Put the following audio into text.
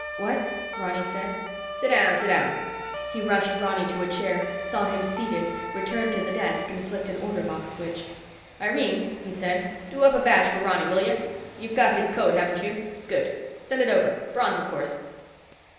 "What?" Ronny said. "Sit down, sit down." He rushed Ronny to a chair, saw him seated, returned to the desk and flicked an order box switch. "Irene," he said, "do up a badge for Ronny, will you? You've got his code, haven't you? Good. Send it over. Bronze, of course."